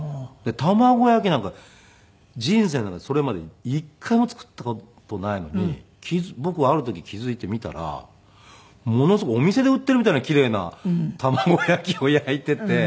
卵焼きなんか人生の中でそれまで一回も作った事ないのに僕ある時気付いて見たらものすごいお店で売っているみたいな奇麗な卵焼きを焼いていて。